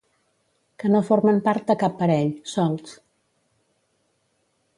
Que no formen part de cap parell, solts.